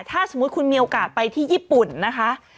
ถ้าสมมุติคุณมีโอกาสไปที่ญี่ปุ่นนะคะ